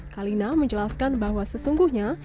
kalina menjelaskan bahwa sesungguhnya